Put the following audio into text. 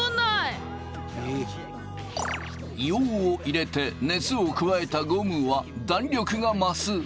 硫黄を入れて熱を加えたゴムは弾力が増す。